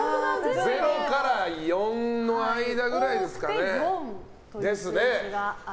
０から４の間ぐらいですね。